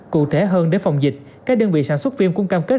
cụ thể hơn để phòng dịch các đơn vị sản xuất phim cũng cam kết